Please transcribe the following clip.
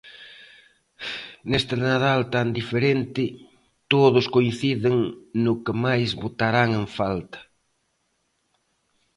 Neste Nadal tan diferente, todos coinciden no que máis botarán en falta.